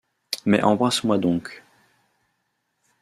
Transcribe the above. Mais embrasse-moi donc.